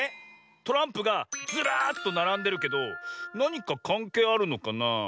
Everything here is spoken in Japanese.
トランプがずらっとならんでるけどなにかかんけいあるのかなあ。